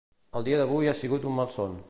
El dia d'avui ha sigut un malson.